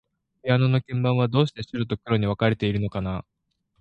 ピアノの鍵盤は、どうして白と黒に分かれているのかな。